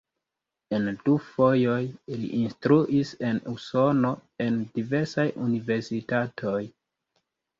En du fojoj li instruis en Usono en diversaj universitatoj.